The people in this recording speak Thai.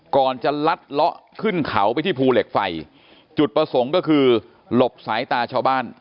ก่อนจะลัดเลาะขึ้นเขาไปที่ภูเหล็กไฟจุดประสงค์ก็คือหลบสายตาชาวบ้าน